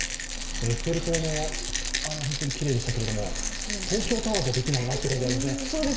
エッフェル塔のあれは、本当にきれいでしたけれども、東京タワーじゃできないなって感じがしますよね。